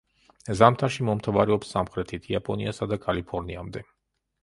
ზამთარში მომთაბარეობს სამხრეთით, იაპონიასა და კალიფორნიამდე.